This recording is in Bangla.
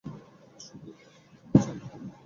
তোমার মনে হচ্ছে আমি ঠাট্টা করছি?